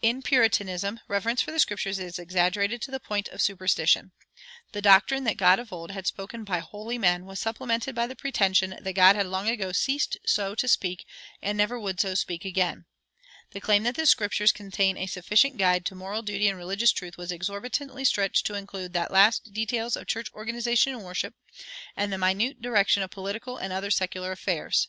In Puritanism, reverence for the Scriptures is exaggerated to the point of superstition. The doctrine that God of old had spoken by holy men was supplemented by the pretension that God had long ago ceased so to speak and never would so speak again. The claim that the Scriptures contain a sufficient guide to moral duty and religious truth was exorbitantly stretched to include the last details of church organization and worship, and the minute direction of political and other secular affairs.